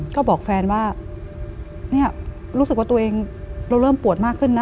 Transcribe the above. ก็บอกแฟนว่าเนี่ยรู้สึกว่าตัวเองเราเริ่มปวดมากขึ้นนะ